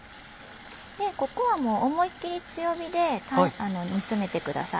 ここはもう思いっ切り強火で煮詰めてください。